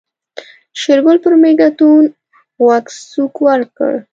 شېرګل پر مېږتون غوږ سوک ورکړ.